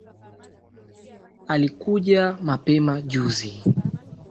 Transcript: Alikuja mapema juzi